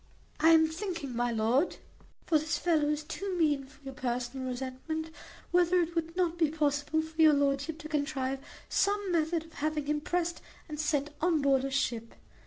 "I am thinking, my lord," added she "(for this fellow is too mean for your personal resentment), whether it would not be possible for your lordship to contrive some method of having him pressed and sent on board a ship.